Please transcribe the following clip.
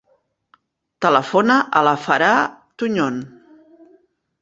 Telefona a la Farah Tuñon.